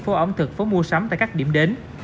phố ẩm thực phố mua sắm tại các điểm đến